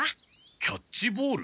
キャッチボール？